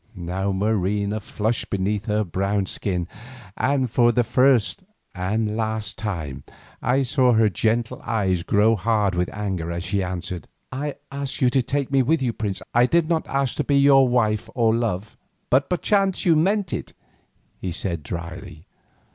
Now Marina flushed beneath her brown skin, and for the first and last time I saw her gentle eyes grow hard with anger as she answered: "I asked you to take me with you, prince; I did not ask to be your wife or love." "But perchance you meant it," he said dryly.